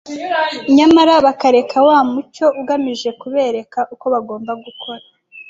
nyamara bakareka wa mucyo ugamije kubereka uko bagomba gukora